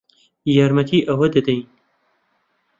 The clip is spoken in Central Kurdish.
یارمەتیی ئەو دەدەین.